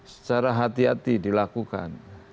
secara hati hati dilakukan